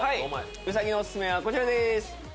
兎のオススメはこちらです。